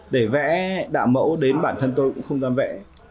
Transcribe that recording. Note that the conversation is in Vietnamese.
để vẽ đạo mẫu đến bản thân tôi cũng không dám vẽ